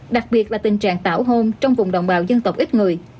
đặc biệt là tình trạng tảo hôn trong vùng đồng bào dân tộc ít người